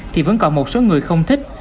thì vẫn còn một số người không thích